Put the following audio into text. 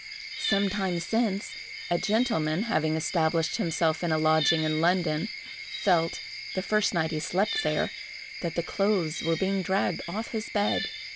Some time since, a gentleman having established himself in a lodging in London, felt, the first night he slept there, that the clothes were being dragged off his bed.